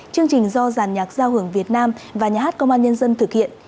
chương trình do giàn nhạc giao hưởng việt nam và nhà hát công an nhân dân thực hiện